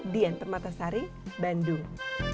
dian termata sari bandung